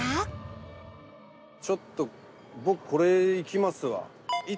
ちょっと僕これいきますわ。